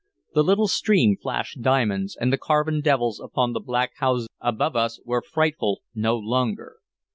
The little stream flashed diamonds, and the carven devils upon the black houses above us were frightful no longer.